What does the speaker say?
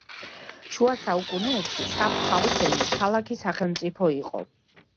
შუა საუკუნეებში შაფჰაუზენი ქალაქი-სახელმწიფო იყო.